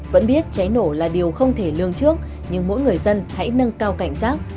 vẫn biết cháy nổ là điều không thể lương trước nhưng mỗi người dân hãy nâng cao cảnh giác